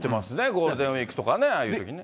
行ってますね、ゴールデンウィークとかね、ああいうときに。